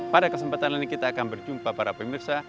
pada kesempatan ini kita akan berjumpa para pemirsa